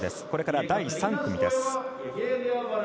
これから第３組です。